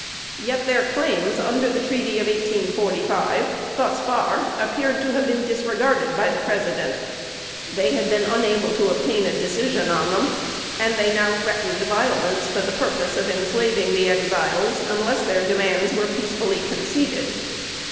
Yet their claims under the treaty of 1845, thus far, appeared to have been disregarded by the President; they had been unable to obtain a decision on them; and they now threatened violence for the purpose of enslaving the Exiles, unless their demands were peacefully conceded.